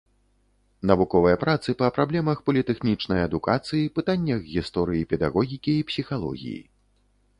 Навуковыя працы па праблемах політэхнічнай адукацыі, пытаннях гісторыі педагогікі і псіхалогіі.